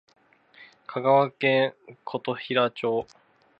香川県琴平町